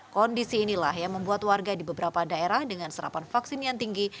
kondisi inilah yang membuat warga di beberapa daerah dengan serapan vaksin yang tinggi